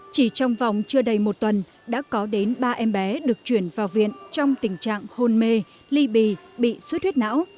chỉ trong vòng chưa đầy một tuần đã có đến ba em bé được chuyển vào viện trong tình trạng hôn mê ly bì bị suốt huyết não